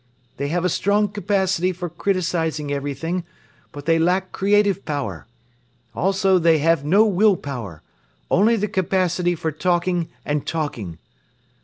They have a strong capacity for criticising everything but they lack creative power. Also they have no will power, only the capacity for talking and talking.